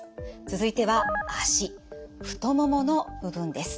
続いては脚太ももの部分です。